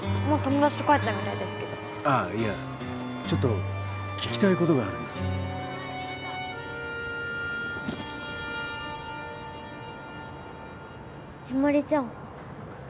もう友達と帰ったみたいですけどああいやちょっと聞きたいことがあるんだヒマリちゃん